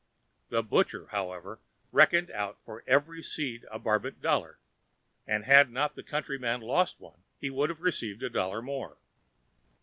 The Butcher, however, reckoned out for every seed a Brabant dollar; and had not the Countryman lost one he would have received a dollar more.